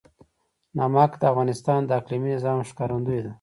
نمک د افغانستان د اقلیمي نظام ښکارندوی ده.